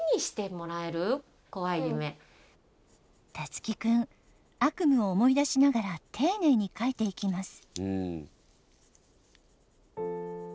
樹生くん悪夢を思い出しながらていねいにかいていきます。